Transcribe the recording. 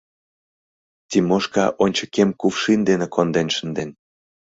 Тимошка ончыкем кувшин дене конден шынден.